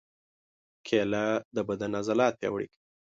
کېله د بدن عضلات پیاوړي کوي.